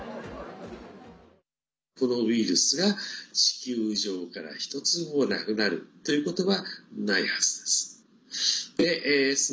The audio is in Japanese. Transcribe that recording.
このウイルスが、地球上から１つもなくなるということはないはずです。